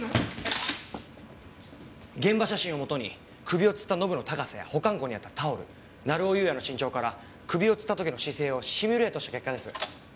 現場写真をもとに首を吊ったノブの高さや保管庫にあったタオル成尾優也の身長から首を吊った時の姿勢をシミュレートした結果です。